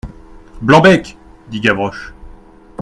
Blanc-bec ! dit Gavroche.